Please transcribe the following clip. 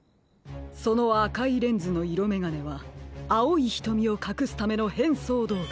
そのあかいレンズのいろめがねはあおいひとみをかくすためのへんそうどうぐ。